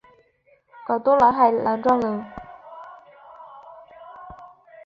广东南海南庄人。